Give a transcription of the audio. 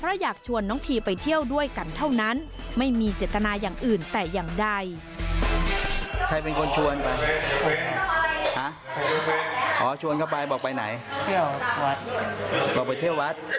แล้วนึกยังไงเบาะชวนเค้าเนี่ย